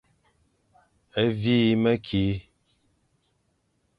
Vîkh mekî.